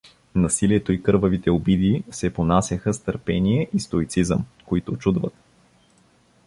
Насилието и кървавите обиди се понасяха с търпение и стоицизъм, които учудват.